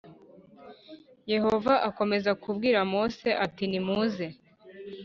Yehova akomeza kubwira Mose ati nimuze